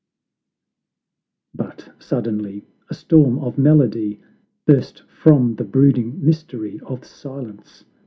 But suddenly a storm of melody Burst from the brooding mystery of silence!